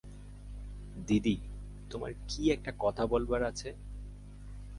দিদি, তোমার কী একটা কথা বলবার আছে।